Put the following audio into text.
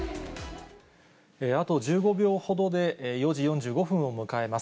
あと１５秒ほどで４時４５分を迎えます。